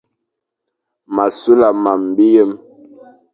M a sula mam, biyem,